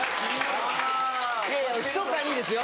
いやいやひそかにですよ？